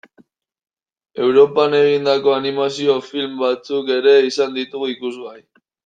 Europan egindako animazio film batzuk ere izan ditugu ikusgai.